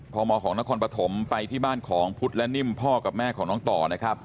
พมของนครปฐมไปที่บ้านของพุทธและนิ่มพ่อกับแม่ของน้องต่อนะครับ